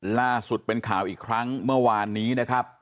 ล่าสุดเป็นข่าวอีกครั้งเมื่อวานนี้นะครับ